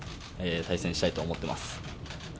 対戦したいと思っています。